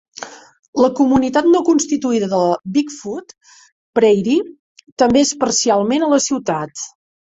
La comunitat no constituïda de Big Foot Prairie també és parcialment a la ciutat.